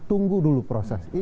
tunggu dulu proses